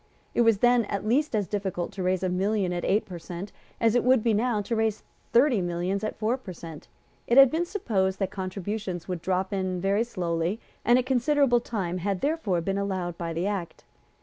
It was then at least as difficult to raise a million at eight per cent. as it would now be to raise thirty millions at four per cent. It had been supposed that contributions would drop in very slowly; and a considerable time had therefore been allowed by the Act.